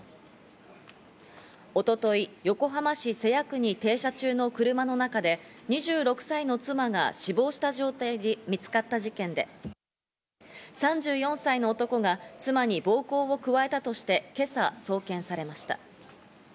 一昨日、横浜市瀬谷区に停車中の車の中で２６歳の妻が死亡した状態で見つかった事件で、３４歳の夫が妻に暴行を加えたとして今朝送検されました。